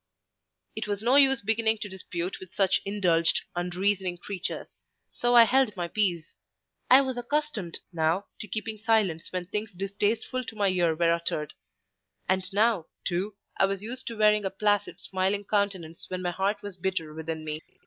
It was no use beginning to dispute with such indulged, unreasoning creatures: so I held my peace. I was accustomed, now, to keeping silence when things distasteful to my ear were uttered; and now, too, I was used to wearing a placid smiling countenance when my heart was bitter within me.